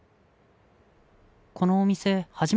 このお店初めてです。